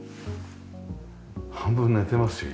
半分寝てますよ